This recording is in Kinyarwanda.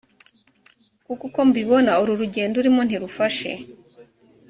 kuko uko mbibona, uru rugendo urimo ntirufashe.